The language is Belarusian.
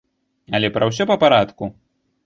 Але пра ўсё па парадку.